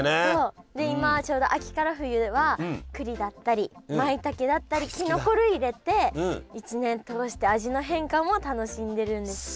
で今ちょうど秋から冬はくりだったりまいたけだったりきのこ類入れて一年通して味の変化も楽しんでるんですって。